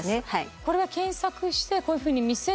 これは検索してこういうふうに見せる。